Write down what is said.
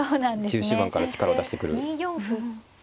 中終盤から力を出してくる。